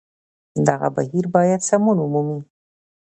دغه بهير بايد سمون ومومي